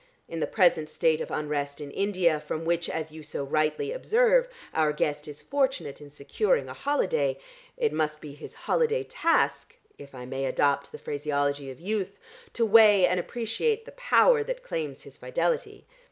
In the present state of unrest in India from which as you so rightly observe, our guest is fortunate in securing a holiday, it must be his holiday task, if I may adopt the phraseology of youth, to weigh and appreciate the power that claims his fidelity.